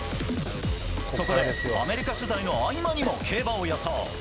そこで、アメリカ取材の合間にも競馬を予想。